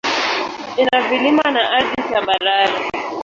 Ina vilima na ardhi tambarare.